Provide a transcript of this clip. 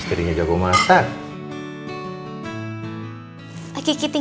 bener bener enak masakan yang andien